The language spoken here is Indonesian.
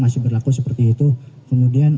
masih berlaku seperti itu kemudian